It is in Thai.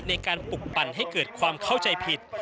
ในการปลุกปั่นให้เกิดความเข้าใจผิด